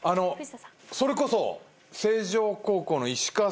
それこそ。